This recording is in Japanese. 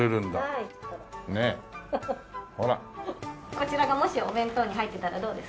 こちらがもしお弁当に入ってたらどうですか？